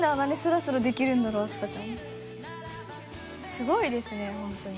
すごいですね本当に。